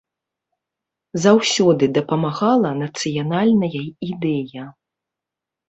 Заўсёды дапамагала нацыянальная ідэя.